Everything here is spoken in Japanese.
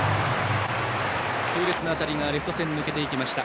痛烈な当たりがレフト線を抜けていきました。